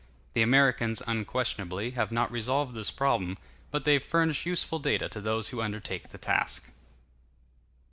The Americans, unquestionably, have not resolved this problem, but they furnish useful data to those who undertake the task.